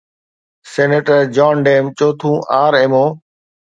senator John Dean چوٿون R-Mo